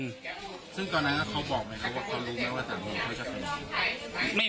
ซึ่งตอนนั้นเขาบอกไหมครับว่าเขารู้ไหมว่าทางนี้เขาจะไป